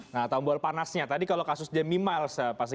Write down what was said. nah tombol panasnya tadi kalau kasus jemimalsa